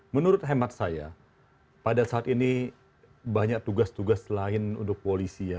menurut hemat saya pada saat ini banyak tugas tugas lain untuk polisi ya